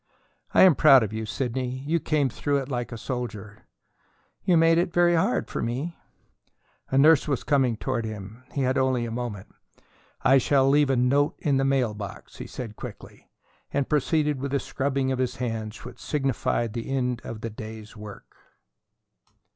"I am proud of you, Sidney; you came through it like a soldier." "You made it very hard for me." A nurse was coming toward him; he had only a moment. "I shall leave a note in the mail box," he said quickly, and proceeded with the scrubbing of his hands which signified the end of the day's work.